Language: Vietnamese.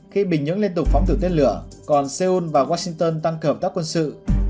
khi bình nhưỡng liên tục phóng tử tiết lửa còn seoul và washington tăng cơ hợp tác quân sự